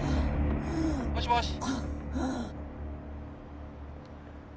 もしもし。